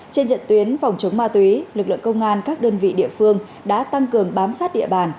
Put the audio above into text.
trên diện tuyến phòng chống ma túy lực lượng công an các đơn vị địa phương đã tăng cường bám sát địa bàn